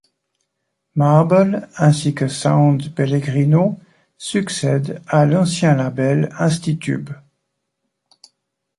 Marble, ainsi que Sound Pellegrino succèdent à l'ancien label Institubes.